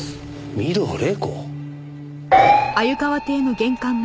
「御堂黎子」？